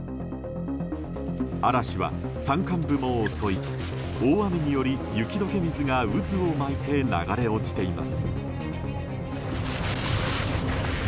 嵐は、山間部も襲い大雨により雪解け水が渦を巻いて流れ落ちています。